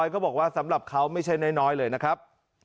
ก็บอกว่าสำหรับเขาไม่ใช่น้อยเลยนะครับ